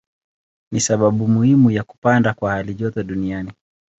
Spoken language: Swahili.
Ni sababu muhimu ya kupanda kwa halijoto duniani.